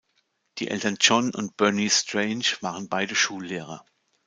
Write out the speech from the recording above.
Die Eltern John und Bernice Strange waren beide Schullehrer.